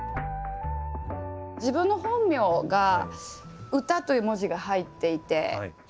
自分の本名が「歌」という文字が入っていて。